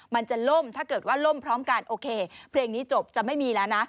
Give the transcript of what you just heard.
มันจะล่มถ้าเกิดว่าล่มพร้อมกันโอเคเพลงนี้จบจะไม่มีแล้วนะ